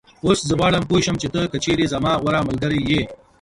اوس زه غواړم پوی شم چې ته که چېرې زما غوره ملګری یې